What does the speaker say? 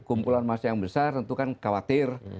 kumpulan massa yang besar tentu kan khawatir